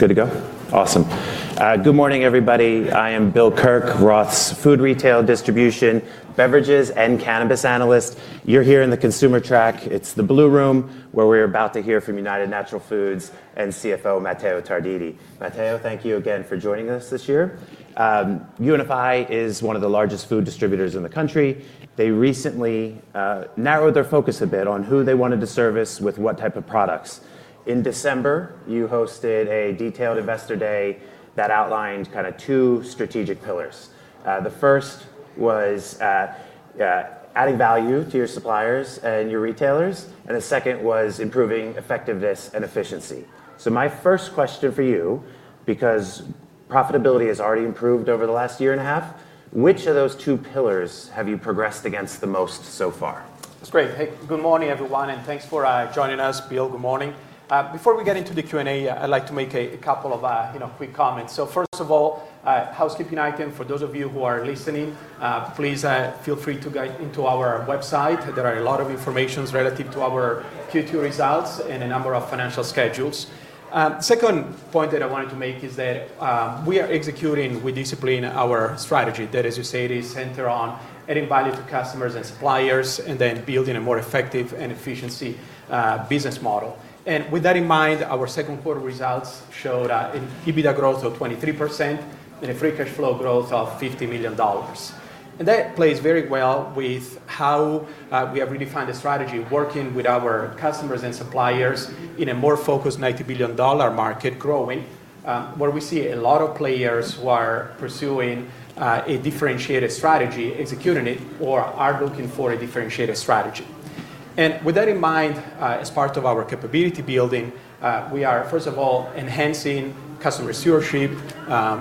Good to go? Awesome. Good morning, everybody. I am Bill Kirk, Roth's food, retail, distribution, beverages, and cannabis analyst. You're here in the consumer track. It's the blue room, where we're about to hear from United Natural Foods and CFO, Matteo Tarditi. Matteo, thank you again for joining us this year. UNFI is one of the largest food distributors in the country. They recently narrowed their focus a bit on who they wanted to service with what type of products. In December, you hosted a detailed Investor Day that outlined kinda two strategic pillars. The first was adding value to your suppliers and your retailers, and the second was improving effectiveness and efficiency. My first question for you, because profitability has already improved over the last year and a half, which of those two pillars have you progressed against the most so far? That's great. Hey, good morning, everyone, and thanks for joining us. Bill, good morning. Before we get into the Q&A, I'd like to make a couple of, you know, quick comments. First of all, housekeeping item for those of you who are listening, please feel free to go into our website. There are a lot of information relative to our Q2 results and a number of financial schedules. Second point that I wanted to make is that we are executing with discipline our strategy. That is to say it is centered on adding value to customers and suppliers and then building a more effective and efficient business model. With that in mind, our second quarter results show that an EBITDA growth of 23% and a free cash flow growth of $50 million. That plays very well with how we have redefined the strategy, working with our customers and suppliers in a more focused $90 billion market growing, where we see a lot of players who are pursuing a differentiated strategy, executing it, or are looking for a differentiated strategy. With that in mind, as part of our capability building, we are, first of all, enhancing customer stewardship,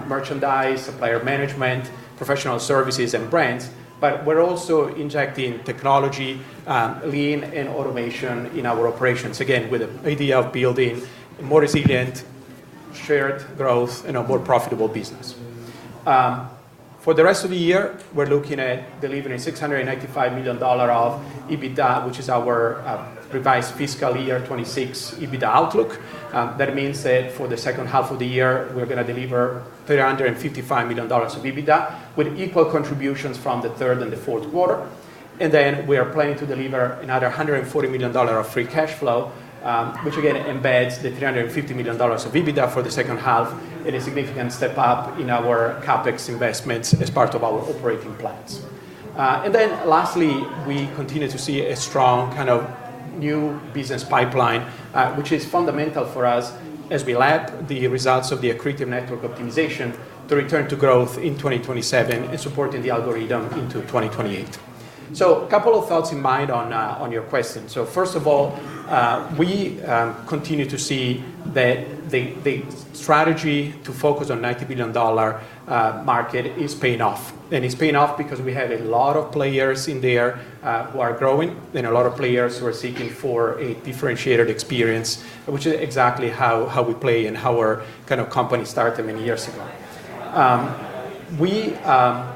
merchandise, supplier management, professional services and brands, but we're also injecting technology, lean and automation in our operations. Again, with the idea of building a more resilient, shared growth and a more profitable business. For the rest of the year, we're looking at delivering $685 million of EBITDA, which is our revised fiscal year 2026 EBITDA outlook. That means that for the second half of the year, we're gonna deliver $355 million of EBITDA with equal contributions from the third and the fourth quarter. We are planning to deliver another $140 million of free cash flow, which again embeds the $350 million of EBITDA for the second half in a significant step up in our CapEx investments as part of our operating plans. Lastly, we continue to see a strong kind of new business pipeline, which is fundamental for us as we lap the results of the accretive network optimization to return to growth in 2027 and supporting the algorithm into 2028. A couple of thoughts in mind on your question. First of all, we continue to see that the strategy to focus on $90 billion market is paying off. It's paying off because we have a lot of players in there who are growing and a lot of players who are seeking for a differentiated experience, which is exactly how we play and how our kind of company started many years ago. We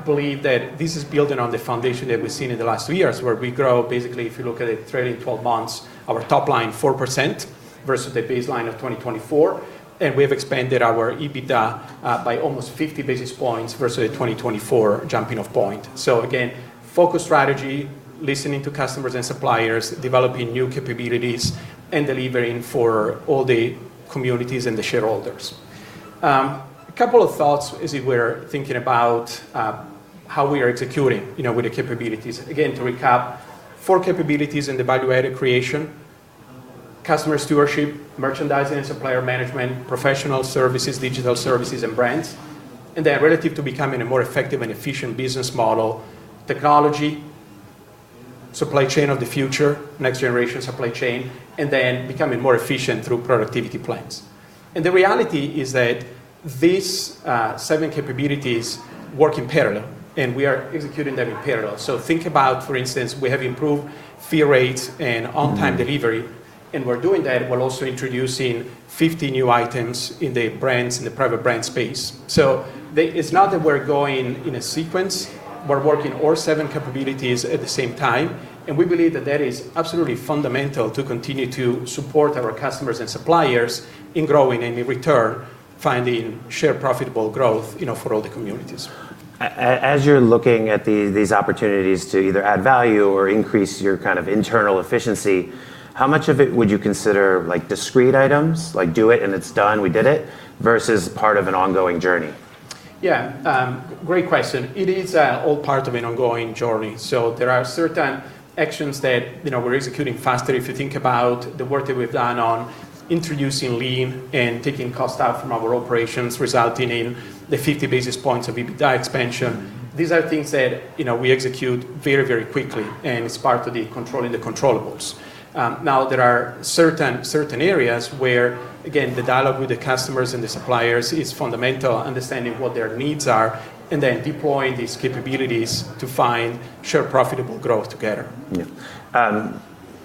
believe that this is building on the foundation that we've seen in the last two years, where we grow basically, if you look at it, trailing twelve months, our top line 4% versus the baseline of 2024, and we have expanded our EBITDA by almost 50 basis points versus 2024 jumping off point. Again, focused strategy, listening to customers and suppliers, developing new capabilities and delivering for all the communities and the shareholders. A couple of thoughts as we're thinking about how we are executing, you know, with the capabilities. Again, to recap, four capabilities in the value added creation, customer stewardship, merchandising and supplier management, professional services, digital services and brands. Then relative to becoming a more effective and efficient business model, technology, supply chain of the future, next generation supply chain, and then becoming more efficient through productivity plans. The reality is that these seven capabilities work in parallel, and we are executing them in parallel. Think about, for instance, we have improved fill rates and on-time delivery, and we're doing that while also introducing 50 new items in the brands, in the private brand space. The... It's not that we're going in a sequence, we're working all seven capabilities at the same time, and we believe that that is absolutely fundamental to continue to support our customers and suppliers in growing and in return finding shared profitable growth, you know, for all the communities. As you're looking at these opportunities to either add value or increase your kind of internal efficiency, how much of it would you consider like discrete items, like do it and it's done, we did it, versus part of an ongoing journey? Yeah. Great question. It is all part of an ongoing journey, so there are certain actions that, you know, we're executing faster. If you think about the work that we've done on introducing lean and taking cost out from our operations, resulting in the 50 basis points of EBITDA expansion, these are things that, you know, we execute very, very quickly, and it's part of the controlling the controllables. Now there are certain areas where, again, the dialogue with the customers and the suppliers is fundamental, understanding what their needs are, and then deploying these capabilities to find shared profitable growth together. Yeah.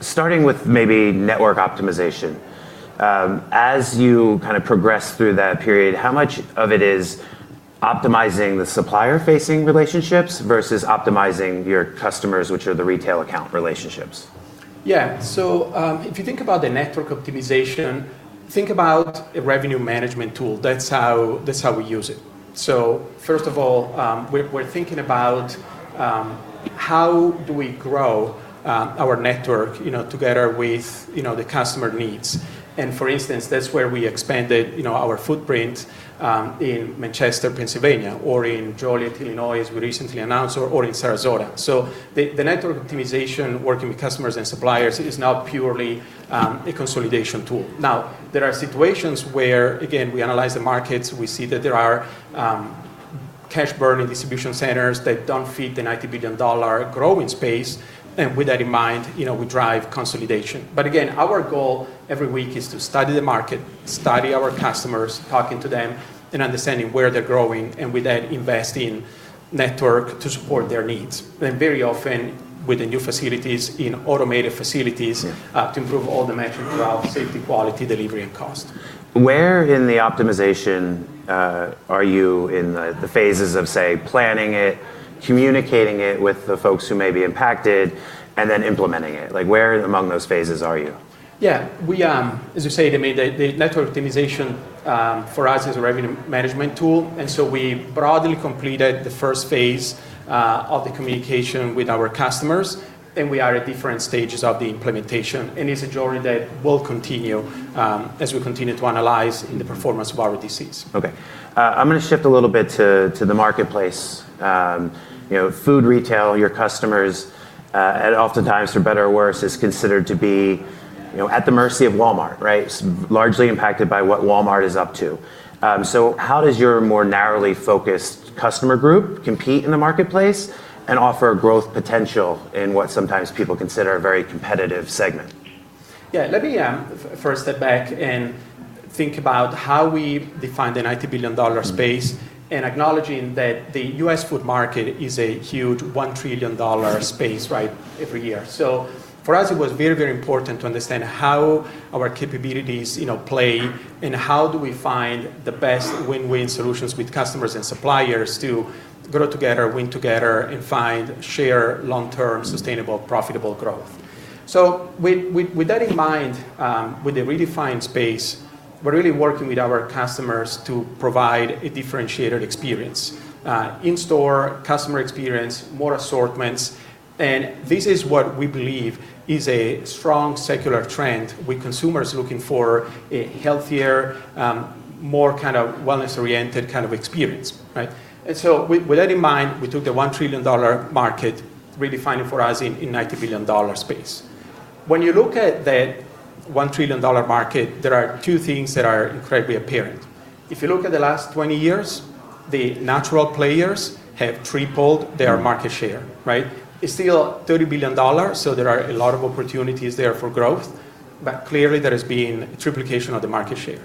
Starting with maybe network optimization, as you kind of progress through that period, how much of it is optimizing the supplier-facing relationships versus optimizing your customers, which are the retail account relationships? Yeah. If you think about the network optimization, think about a revenue management tool. That's how we use it. First of all, we're thinking about how do we grow our network, you know, together with, you know, the customer needs. For instance, that's where we expanded, you know, our footprint in Manchester, Pennsylvania, or in Joliet, Illinois, as we recently announced, or in Sarasota. The network optimization working with customers and suppliers is not purely a consolidation tool. Now, there are situations where, again, we analyze the markets, we see that there are cash burning distribution centers that don't fit the $90 billion growing space, and with that in mind, you know, we drive consolidation. Again, our goal every week is to study the market, study our customers, talking to them, and understanding where they're growing, and with that, invest in network to support their needs. Very often with the new facilities, in automated facilities. Yeah. to improve all the metric routes, safety, quality, delivery, and cost. Where in the optimization are you in the phases of, say, planning it, communicating it with the folks who may be impacted, and then implementing it? Like, where among those phases are you? Yeah. We as you say to me the network optimization for us is a revenue management tool. We broadly completed the first phase of the communication with our customers, and we are at different stages of the implementation. It's a journey that will continue as we continue to analyze the performance of our DCs. Okay. I'm gonna shift a little bit to the marketplace. You know, food retail, your customers, oftentimes for better or worse, is considered to be, you know, at the mercy of Walmart, right? Largely impacted by what Walmart is up to. How does your more narrowly focused customer group compete in the marketplace and offer growth potential in what sometimes people consider a very competitive segment? Let me first step back and think about how we define the $90 billion space. Mm-hmm Acknowledging that the U.S. food market is a huge $1 trillion space, right, every year. For us, it was very, very important to understand how our capabilities, you know, play and how do we find the best win-win solutions with customers and suppliers to grow together, win together, and find shared long-term, sustainable, profitable growth. With that in mind, with the redefined space, we're really working with our customers to provide a differentiated in-store customer experience, more assortments, and this is what we believe is a strong secular trend with consumers looking for a healthier, more kind of wellness-oriented kind of experience, right? With that in mind, we took the $1 trillion market, redefined it for us in $90 billion space. When you look at that $1 trillion market, there are two things that are incredibly apparent. If you look at the last 20 years, the natural players have tripled their market share, right? It's still $30 billion, so there are a lot of opportunities there for growth, but clearly there has been triplication of the market share.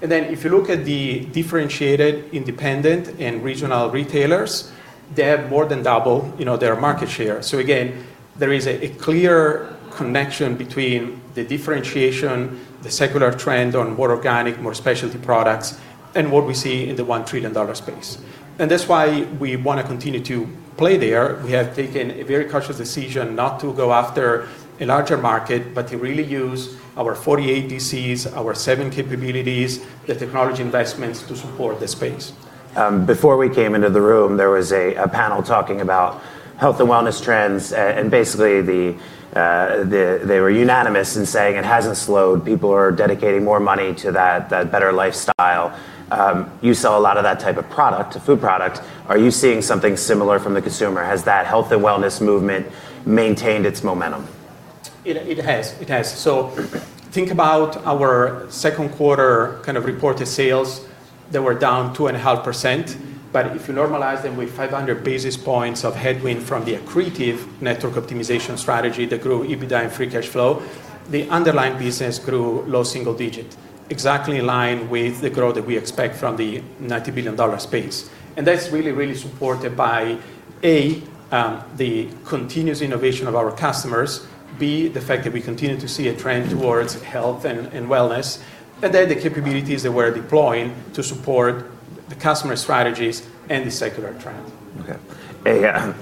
Then if you look at the differentiated, independent, and regional retailers, they have more than double, you know, their market share. Again, there is a clear connection between the differentiation, the secular trend on more organic, more specialty products and what we see in the $1 trillion space. That's why we wanna continue to play there. We have taken a very cautious decision not to go after a larger market, but to really use our 48 DCs, our seven capabilities, the technology investments to support the space. Before we came into the room, there was a panel talking about health and wellness trends, and basically they were unanimous in saying it hasn't slowed. People are dedicating more money to that better lifestyle. You sell a lot of that type of product, a food product. Are you seeing something similar from the consumer? Has that health and wellness movement maintained its momentum? It has. Think about our second quarter kind of reported sales that were down 2.5%, but if you normalize them with 500 basis points of headwind from the accretive network optimization strategy that grew EBITDA and free cash flow, the underlying business grew low single digit, exactly in line with the growth that we expect from the $90 billion space. That's really, really supported by, A, the continuous innovation of our customers, B, the fact that we continue to see a trend towards health and wellness, and then the capabilities that we're deploying to support the customer strategies and the secular trend. Okay. A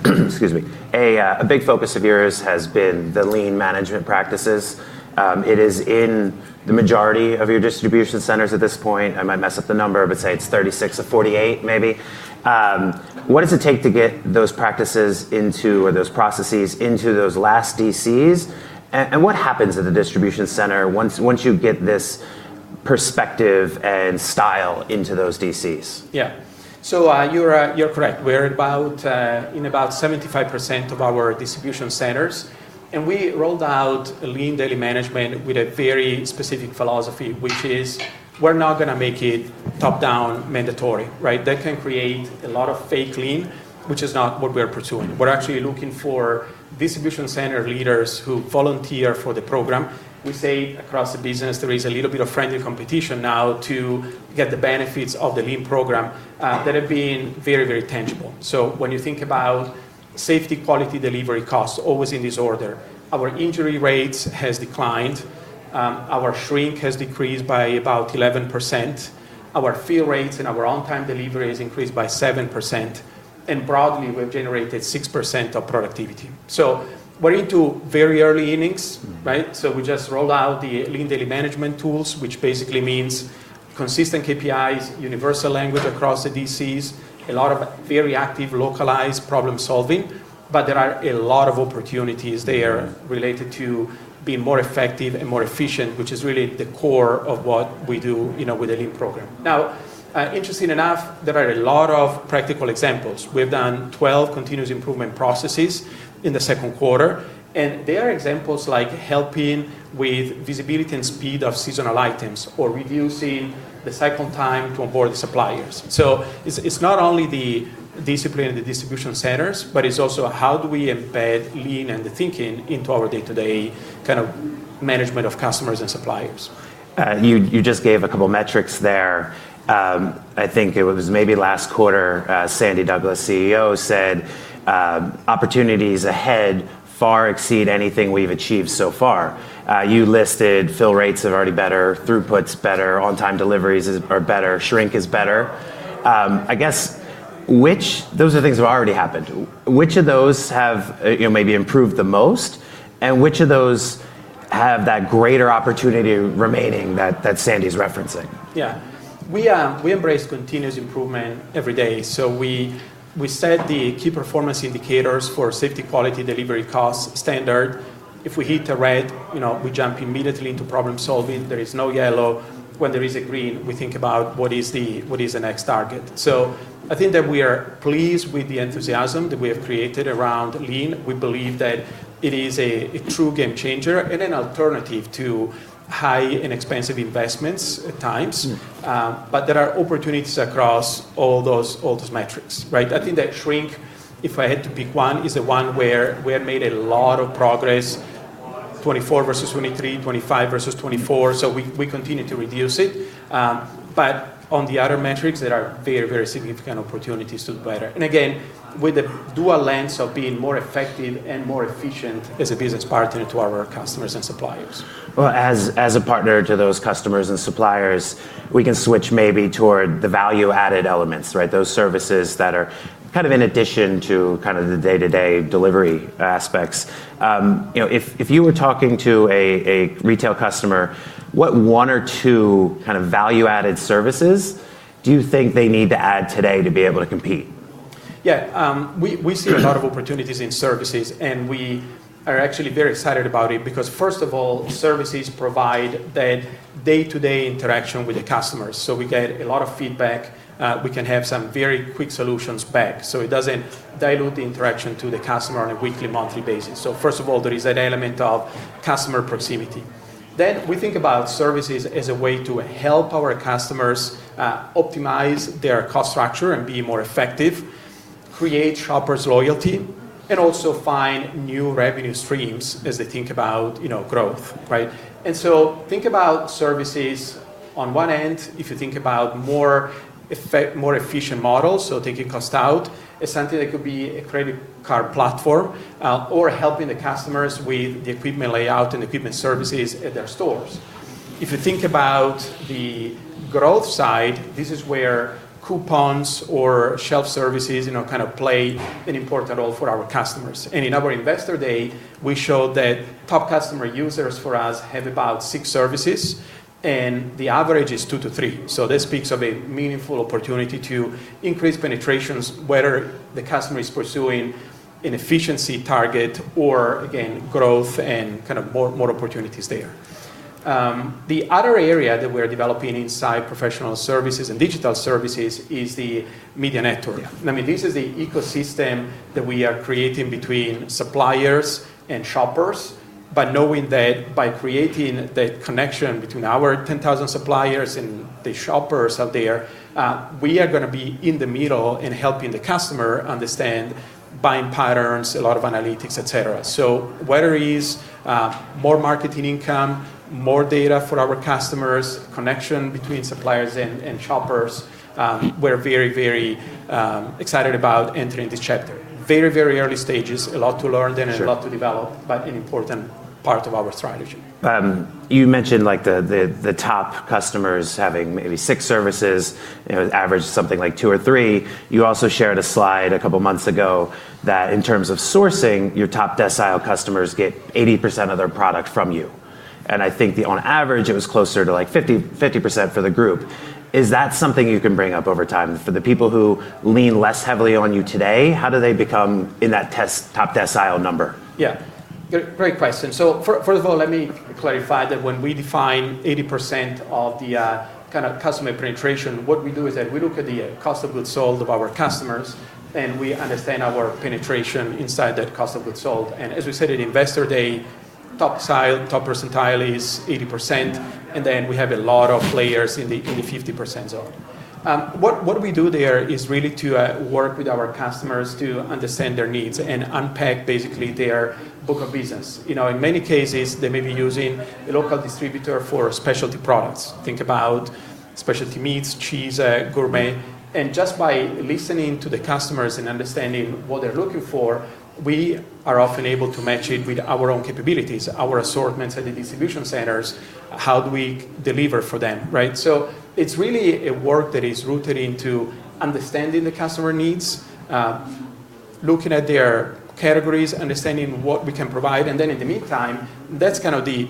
big focus of yours has been the lean management practices. It is in the majority of your distribution centers at this point. I might mess up the number, but say it's 36 of 48 maybe. What does it take to get those practices into, or those processes into those last DCs? What happens at the distribution center once you get this perspective and style into those DCs? Yeah. You're correct. We're about in about 75% of our distribution centers, and we rolled out a Lean Daily Management with a very specific philosophy, which is we're not gonna make it top-down mandatory, right? That can create a lot of fake lean, which is not what we're pursuing. We're actually looking for distribution center leaders who volunteer for the program. We say across the business there is a little bit of friendly competition now to get the benefits of the lean program that have been very, very tangible. When you think about safety, quality, delivery, cost, always in this order, our injury rates has declined, our shrink has decreased by about 11%. Our fill rates and our on-time delivery has increased by 7%, and broadly, we've generated 6% of productivity. We're into very early innings, right? Mm-hmm. We just rolled out the Lean Daily Management tools, which basically means consistent KPIs, universal language across the DCs, a lot of very active localized problem-solving, but there are a lot of opportunities there. Mm-hmm.... related to being more effective and more efficient, which is really the core of what we do, you know, with the Lean program. Now, interestingly enough, there are a lot of practical examples. We've done 12 continuous improvement processes in the second quarter, and they are examples like helping with visibility and speed of seasonal items or reducing the cycle time to onboard the suppliers. It's not only the discipline of the distribution centers, but it's also how do we embed Lean and the thinking into our day-to-day kind of management of customers and suppliers. You just gave a couple of metrics there. I think it was maybe last quarter, Sandy Douglas, CEO, said, "Opportunities ahead far exceed anything we've achieved so far." You listed fill rates are already better, throughput's better, on-time deliveries are better, shrink is better. I guess those are things that have already happened. Which of those have you know, maybe improved the most, and which of those have that greater opportunity remaining that Sandy's referencing? Yeah. We embrace continuous improvement every day. We set the key performance indicators for safety, quality, delivery, cost, standard. If we hit a red, you know, we jump immediately into problem-solving. There is no yellow. When there is a green, we think about what is the next target. I think that we are pleased with the enthusiasm that we have created around Lean. We believe that it is a true game changer and an alternative to high and expensive investments at times. Mm-hmm. There are opportunities across all those metrics, right? I think that shrink, if I had to pick one, is the one where we have made a lot of progress, 2024 versus 2023, 2025 versus 2024, so we continue to reduce it. On the other metrics, there are very, very significant opportunities to do better. Again, with the dual lens of being more effective and more efficient as a business partner to our customers and suppliers. Well, as a partner to those customers and suppliers, we can switch maybe toward the value-added elements, right? Those services that are kind of in addition to kind of the day-to-day delivery aspects. You know, if you were talking to a retail customer, what one or two kind of value-added services do you think they need to add today to be able to compete? Yeah. We see a lot of opportunities in services, and we are actually very excited about it because first of all, services provide that day-to-day interaction with the customers, so we get a lot of feedback. We can have some very quick solutions back. It doesn't dilute the interaction to the customer on a weekly, monthly basis. First of all, there is that element of customer proximity. We think about services as a way to help our customers optimize their cost structure and be more effective, create shoppers' loyalty, and also find new revenue streams as they think about, you know, growth, right? Think about services on one end. If you think about more efficient models, so taking cost out, is something that could be a credit card platform, or helping the customers with the equipment layout and equipment services at their stores. If you think about the growth side, this is where coupons or shelf services, you know, kind of play an important role for our customers. In our Investor Day, we showed that top customer users for us have about six services, and the average is two-three. This speaks of a meaningful opportunity to increase penetrations, whether the customer is pursuing an efficiency target or again, growth and kind of more opportunities there. The other area that we're developing inside professional services and digital services is the media network. Yeah. I mean, this is the ecosystem that we are creating between suppliers and shoppers. By knowing that by creating the connection between our 10,000 suppliers and the shoppers out there, we are gonna be in the middle in helping the customer understand buying patterns, a lot of analytics, et cetera. Whether it is more marketing income, more data for our customers, connection between suppliers and shoppers, we're very excited about entering this chapter. Very early stages. A lot to learn and. Sure A lot to develop, but an important part of our strategy. You mentioned like the top customers having maybe six services, you know, average something like two or three. You also shared a slide a couple of months ago that in terms of sourcing, your top decile customers get 80% of their product from you, and I think on average, it was closer to, like, 50% for the group. Is that something you can bring up over time? For the people who lean less heavily on you today, how do they become in that top decile number? Yeah. Great question. First of all, let me clarify that when we define 80% of the kind of customer penetration, what we do is that we look at the cost of goods sold of our customers, and we understand our penetration inside that cost of goods sold. As we said at Investor Day, top decile, top percentile is 80%, and then we have a lot of players in the 50% zone. What we do there is really to work with our customers to understand their needs and unpack basically their book of business. You know, in many cases, they may be using a local distributor for specialty products. Think about specialty meats, cheese, gourmet. Just by listening to the customers and understanding what they're looking for, we are often able to match it with our own capabilities, our assortments at the distribution centers, how do we deliver for them, right? It's really a work that is rooted into understanding the customer needs, looking at their categories, understanding what we can provide, and then in the meantime, that's kind of the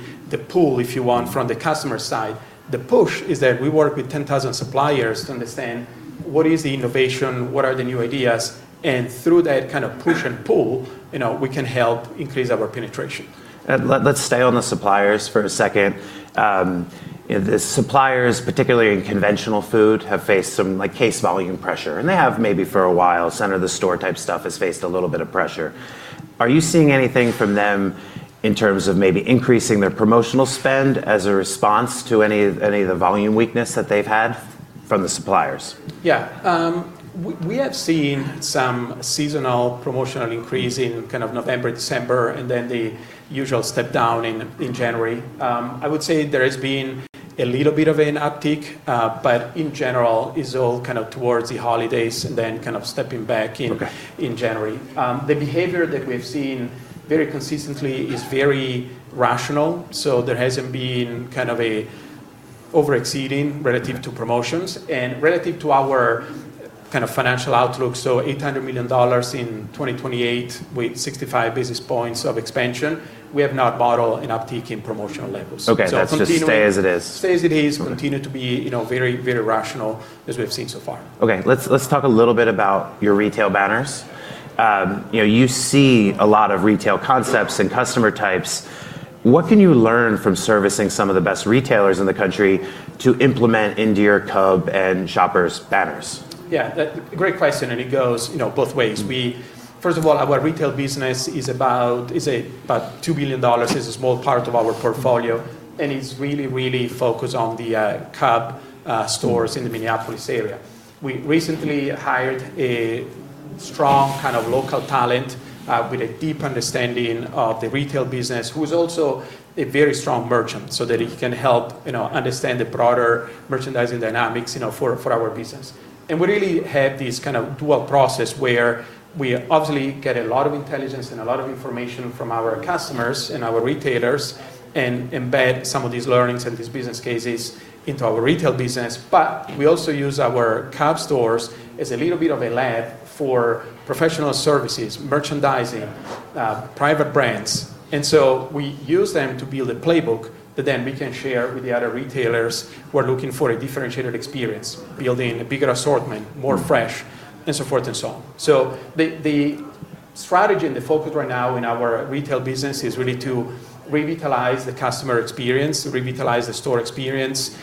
pull, if you want, from the customer side. The push is that we work with 10,000 suppliers to understand what is the innovation, what are the new ideas, and through that kind of push and pull, you know, we can help increase our penetration. Let's stay on the suppliers for a second. You know, the suppliers, particularly in conventional food, have faced some, like, case volume pressure, and they have maybe for a while. Center-of-the-store-type stuff has faced a little bit of pressure. Are you seeing anything from them in terms of maybe increasing their promotional spend as a response to any of the volume weakness that they've had from the suppliers? Yeah. We have seen some seasonal promotional increase in kind of November, December, and then the usual step-down in January. I would say there has been a little bit of an uptick, but in general, it's all kind of towards the holidays and then kind of stepping back in. Okay.... in January. The behavior that we've seen very consistently is very rational, so there hasn't been kind of a over-exceeding relative- Okay. to promotions. Relative to our kind of financial outlook, $800 million in 2028 with 65 basis points of expansion, we have not modeled an uptick in promotional levels. Okay. So continuing- That's just stay as it is. Stay as it is. Okay. Continue to be, you know, very, very rational as we have seen so far. Okay. Let's talk a little bit about your retail banners. You know, you see a lot of retail concepts and customer types. What can you learn from servicing some of the best retailers in the country to implement into your Cub and Shoppers banners? Yeah. Great question, and it goes, you know, both ways. Mm-hmm. First of all, our retail business is about $2 billion. It's a small part of our portfolio, and it's really focused on the Cub stores in the Minneapolis area. We recently hired a strong kind of local talent with a deep understanding of the retail business, who's also a very strong merchant, so that he can help, you know, understand the broader merchandising dynamics, you know, for our business. We really have this kind of dual process where we obviously get a lot of intelligence and a lot of information from our customers and our retailers and embed some of these learnings and these business cases into our retail business. We also use our Cub stores as a little bit of a lab for professional services, merchandising, private brands. We use them to build a playbook that then we can share with the other retailers who are looking for a differentiated experience, building a bigger assortment. Mm-hmm... more fresh, and so forth and so on. The strategy and the focus right now in our retail business is really to revitalize the customer experience, revitalize the store experience,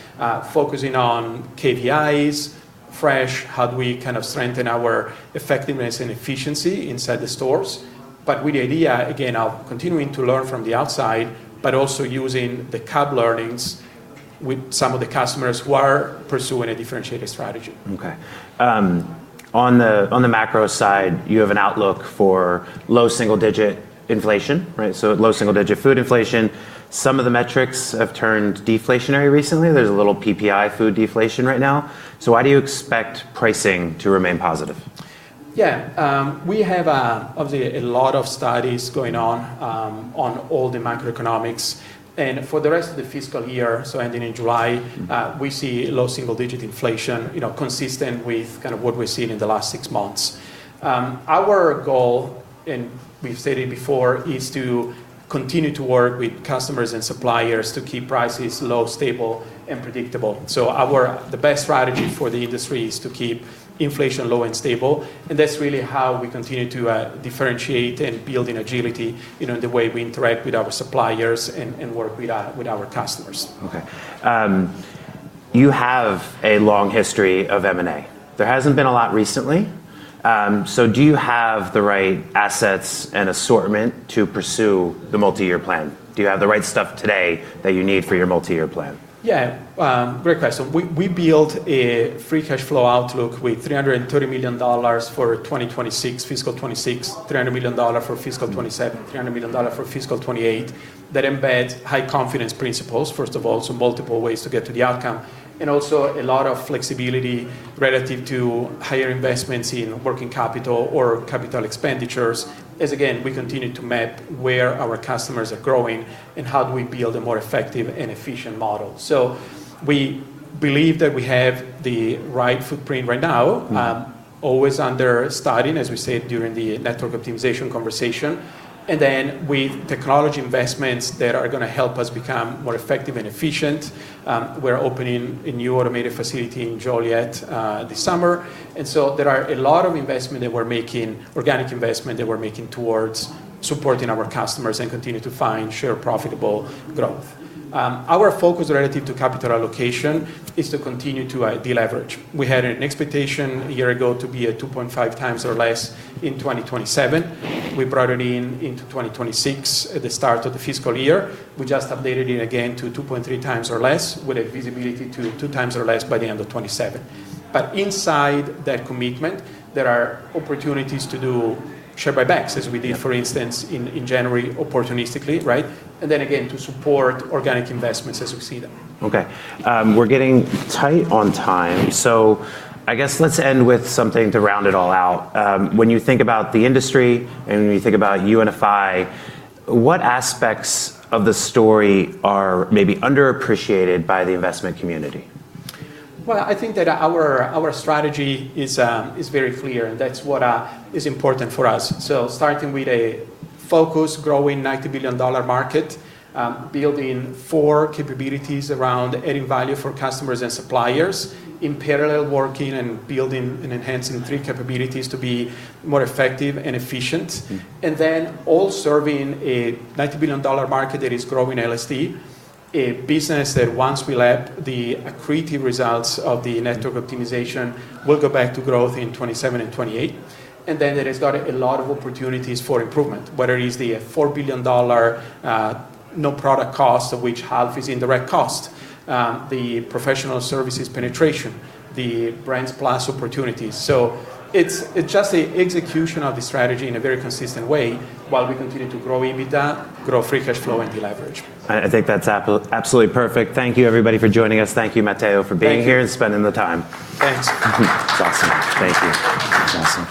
focusing on KPIs, fresh, how do we kind of strengthen our effectiveness and efficiency inside the stores. With the idea, again, of continuing to learn from the outside, but also using the Cub learnings with some of the customers who are pursuing a differentiated strategy. Okay. On the macro side, you have an outlook for low single-digit inflation, right? Low single-digit food inflation. Some of the metrics have turned deflationary recently. There's a little PPI food deflation right now. Why do you expect pricing to remain positive? We have obviously a lot of studies going on all the macroeconomics. For the rest of the fiscal year, so ending in July. Mm-hmm We see low single-digit inflation, you know, consistent with kind of what we've seen in the last six months. Our goal, and we've stated it before, is to continue to work with customers and suppliers to keep prices low, stable, and predictable. The best strategy for the industry is to keep inflation low and stable, and that's really how we continue to differentiate and build in agility, you know, the way we interact with our suppliers and work with our customers. You have a long history of M&A. There hasn't been a lot recently. Do you have the right assets and assortment to pursue the multi-year plan? Do you have the right stuff today that you need for your multi-year plan? Yeah. Great question. We built a free cash flow outlook with $330 million for 2026, fiscal 2026, $300 million for fiscal 2027, $300 million for fiscal 2028 that embeds high confidence principles, first of all, so multiple ways to get to the outcome, and also a lot of flexibility relative to higher investments in working capital or capital expenditures as, again, we continue to map where our customers are growing and how do we build a more effective and efficient model. We believe that we have the right footprint right now. Mm-hmm Always under study, as we said during the network optimization conversation. With technology investments that are gonna help us become more effective and efficient, we're opening a new automated facility in Joliet this summer. There are a lot of investments that we're making, organic investments that we're making towards supporting our customers and continue to gain share profitable growth. Our focus relative to capital allocation is to continue to deleverage. We had an expectation a year ago to be at 2.5x or less in 2027. We brought it into 2026 at the start of the fiscal year. We just updated it again to 2.3x or less with a visibility to 2x or less by the end of 2027. Inside that commitment, there are opportunities to do share buybacks, as we did Yeah. For instance, in January opportunistically, right? Then again, to support organic investments as we see them. Okay. We're getting tight on time, so I guess let's end with something to round it all out. When you think about the industry, and when you think about UNFI, what aspects of the story are maybe underappreciated by the investment community? I think that our strategy is very clear, and that's what is important for us. Starting with a focused, growing, $90 billion market, building four capabilities around adding value for customers and suppliers. In parallel, working and building and enhancing three capabilities to be more effective and efficient. Mm-hmm. It is also a $90 billion market that is growing LSD, a business that once we lap the accretive results of the network optimization will go back to growth in 2027 and 2028. It has got a lot of opportunities for improvement, whether it is the $4 billion non-product cost of which half is indirect cost, the professional services penetration, the Brands+ opportunities. It's just the execution of the strategy in a very consistent way while we continue to grow EBITDA, grow free cash flow, and deleverage. I think that's absolutely perfect. Thank you, everybody, for joining us. Thank you, Matteo. Thank you. Thank you for being here and spending the time. Thanks. It's awesome. Thank you. Awesome.